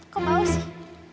kok bawa sih